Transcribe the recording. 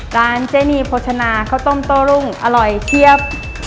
เจนีโภชนาข้าวต้มโต้รุ่งอร่อยเทียบ